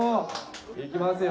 いきますよ。